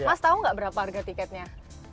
mas tahu nggak berapa harga tiketnya